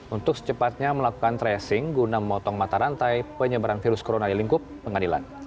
untuk secepatnya melakukan tracing guna memotong mata rantai penyebaran virus corona di lingkup pengadilan